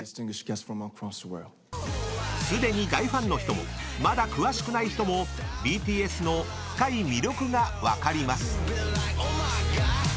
［すでに大ファンの人もまだ詳しくない人もＢＴＳの深い魅力が分かります］